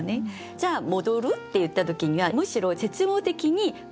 じゃあ戻るっていった時にはむしろ絶望的に戻れない。